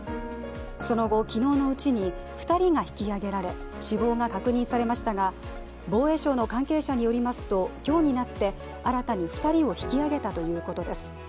その後、昨日のうちに２人が引き揚げられ死亡が確認されましたが防衛省の関係者によりますと今日になって新たに２人を引き揚げたということです。